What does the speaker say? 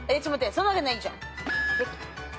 そんなわけないじゃん。